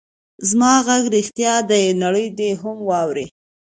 زما غږ رښتیا دی؛ نړۍ دې هم واوري.